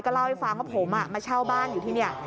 เล่าให้ฟังว่าผมมาเช่าบ้านอยู่ที่นี่